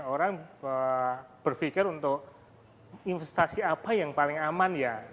orang berpikir untuk investasi apa yang paling aman ya